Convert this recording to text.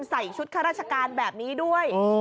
ใส่ชุดข้าราชการแบบนี้ด้วย